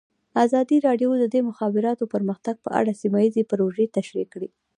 ازادي راډیو د د مخابراتو پرمختګ په اړه سیمه ییزې پروژې تشریح کړې.